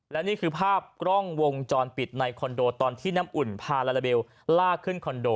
และนี่คือภาพกล้องวงจรปิดในคอนโดตอนที่น้ำอุ่นพาลาลาเบลล่าขึ้นคอนโด